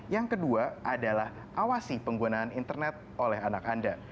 yang kedua adalah awasi penggunaan internet oleh anak anda